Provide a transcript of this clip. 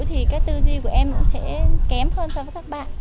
thì cái tư duy của em cũng sẽ kém hơn so với các bạn